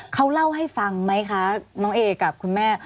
เขาเล่าให้ฟังไหมคะน้องเอกับคุณแม่